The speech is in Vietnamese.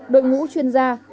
đội ngũ chuyên gia